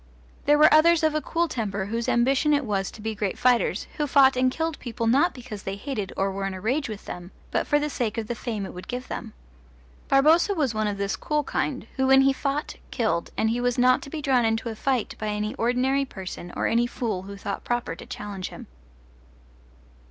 There were others of a cool temper whose ambition it was to be great fighters, who fought and killed people not because they hated or were in a rage with them, but for the sake of the fame it would give them. Barboza was one of this cool kind, who when he fought killed, and he was not to be drawn into a fight by any ordinary person or any fool who thought proper to challenge him.